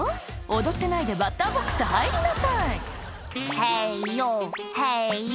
踊ってないでバッターボックス入りなさい「ヘイヨヘイヨ」